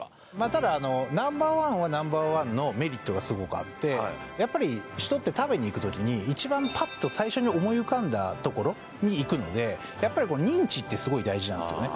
ただあのＮｏ．１はがスゴくあってやっぱり人って食べにいく時に一番パッと最初に思い浮かんだ所に行くのでやっぱり認知ってスゴい大事なんすよね